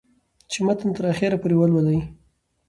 چې متن تر اخره پورې ولولي